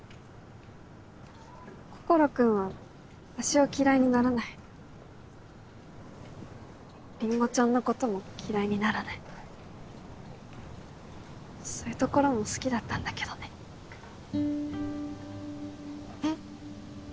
心君は私を嫌いにならないりんごちゃんのことも嫌いにならないそういうところも好きだったんだけどねえっ？